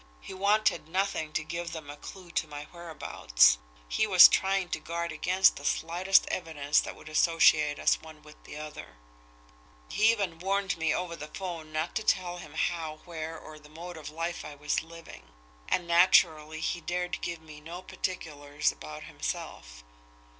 He wanted nothing to give them a clew to my whereabouts; he was trying to guard against the slightest evidence that would associate us one with the other. He even warned me over the 'phone not to tell him how, where, or the mode of life I was living. And naturally, he dared give me no particulars about himself.